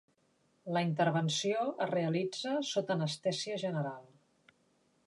La intervenció es realitza sota anestèsia general.